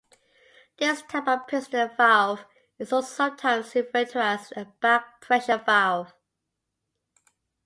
This type of piston valve is also sometimes referred to as a back-pressure valve.